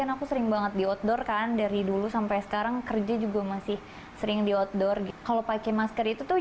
masker kan dari dulu sampai sekarang kerja juga masih sering di outdoor kalau pakai masker itu tuh